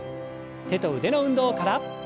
手と腕の運動から。